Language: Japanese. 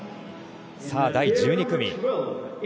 さあ、第１２組。